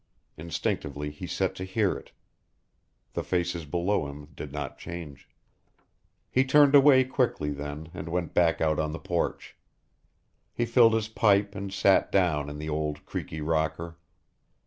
Instinctively he set to hear it. The faces below him did not change. He turned away quickly then and went back out on the porch. He filled his pipe and sat down in the old, creaky rocker.